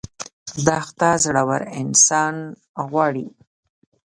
دښته زړور انسان غواړي.